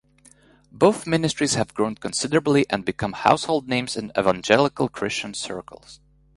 Both ministries have grown considerably and become household names in evangelical Christian circles.